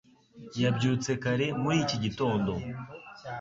Yabyutse kare muri iki gitondo